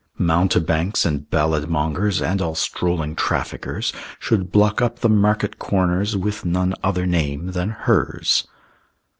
Mountebanks and ballad mongers And all strolling traffickers Should block up the market corners With none other name than hers.